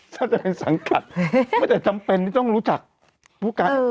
ถ้าจะเป็นสังกัดไม่แต่จำเป็นที่ต้องรู้จักผู้การ